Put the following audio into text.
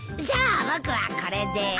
じゃあ僕はこれで。